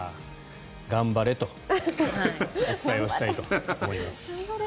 頑張れとお伝えしたいと思います。